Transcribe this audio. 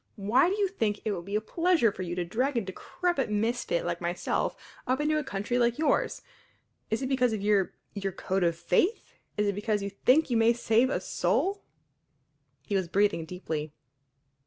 Why do you think it would be a pleasure for you to drag a decrepit misfit like myself up into a country like yours? Is it because of your your code of faith? Is it because you think you may save a soul?" He was breathing deeply.